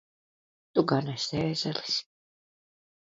Tu gan esi ēzelis!